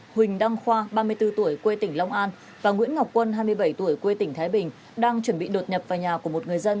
huỳnh đăng khoa ba mươi bốn tuổi quê tỉnh long an và nguyễn ngọc quân hai mươi bảy tuổi quê tỉnh thái bình đang chuẩn bị đột nhập vào nhà của một người dân